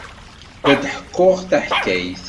La d-ḥekkuɣ taḥkayt.